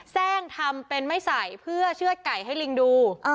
แทร่งทำเป็นไม่ใส่เพื่อเชื่อดไก่ให้ลิงดู